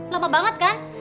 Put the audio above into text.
lama banget kan